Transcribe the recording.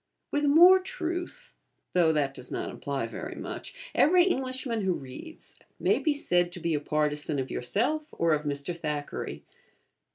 With more truth (though that does not imply very much) every Englishman who reads may be said to be a partisan of yourself or of Mr. Thackeray.